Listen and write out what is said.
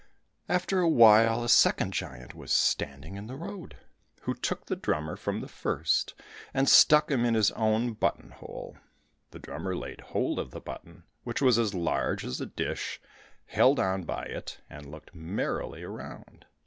After a while, a second giant was standing in the road, who took the drummer from the first, and stuck him in his button hole. The drummer laid hold of the button, which was as large as a dish, held on by it, and looked merrily around.